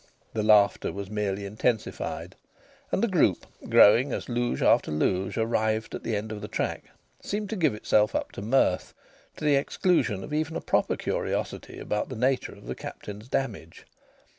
The laughter was merely intensified. And the group, growing as luge after luge arrived at the end of the track, seemed to give itself up to mirth, to the exclusion of even a proper curiosity about the nature of the Captain's damage.